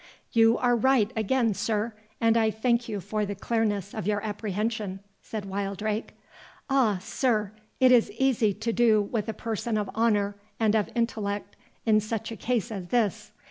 "You are right again, sir; and I thank you for the clearness of your apprehension," said Wildrake.—"Ah, sir, it is easy to do with a person of honour and of intellect in such a case as this.